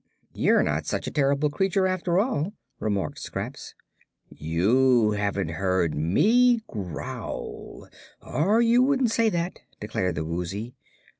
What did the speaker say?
"You're not such a terrible creature, after all," remarked Scraps. "You haven't heard me growl, or you wouldn't say that," declared the Woozy.